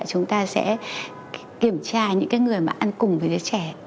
chúng ta sẽ kiểm tra những người ăn cùng với đứa trẻ